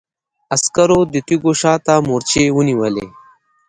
عسکرو د تيږو شا ته مورچې ونيولې.